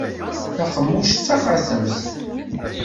Taqemmuct d taxatemt.